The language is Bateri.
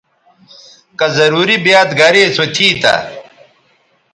کہ ضروری بیاد گریسو تھی تہ